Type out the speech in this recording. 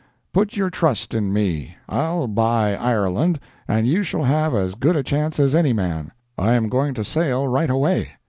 Put your trust in me. I'll buy Ireland, and you shall have as good a chance as any man. I am going to sail right away.